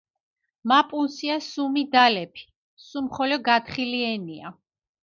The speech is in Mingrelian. მა პუნსია სუმი დალეფი, სუმხოლო გათხილიენია.